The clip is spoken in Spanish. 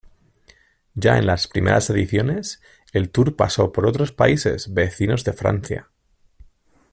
Ya en las primeras ediciones el Tour pasó por otros países vecinos de Francia.